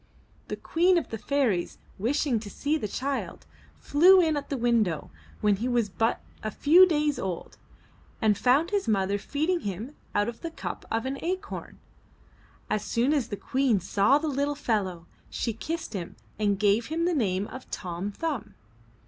The Queen of the Fairies, wishing to see the child, flew in at the window, when he was but a few days old, and found his mother feeding him out of the cup of an acorn. As soon as the Queen saw the little fellow, she kissed him and gave him the name of Tom Thumb.